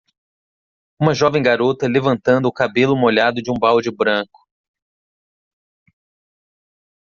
uma jovem garota levantando o cabelo molhado de um balde branco